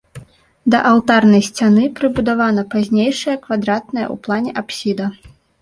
Да алтарнай сцяны прыбудавана пазнейшая квадратная ў плане апсіда.